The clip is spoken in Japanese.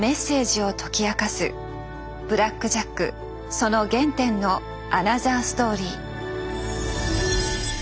その原点のアナザーストーリー。